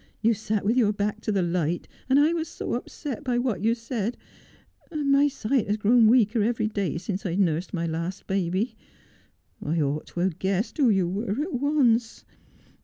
You sat with your hark to the light, and I was so upset by what you said — and my sight has grown weaker every day since I've nursed my last baby. I ought to have guessed who you were at once.